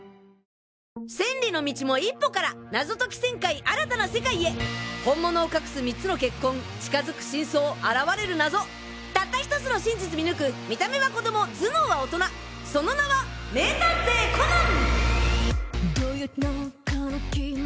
千里の道も一歩から謎解き１０００回新たな世界へ本物を隠す３つの血痕近づく真相現れる謎たった１つの真実見抜く見た目は子供頭脳は大人その名は名探偵コナン！